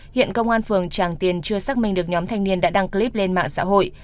hiện công an phường tràng tiền chưa xác minh được nhóm thanh niên đã đăng clip lên mạng xã hội